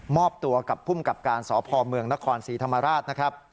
มอบตัวกับผู้กับการสพเมืองนศรีธรรมราช